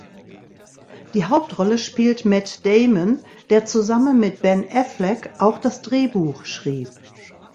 Die Hauptrolle spielt Matt Damon, der zusammen mit Ben Affleck auch das Drehbuch schrieb.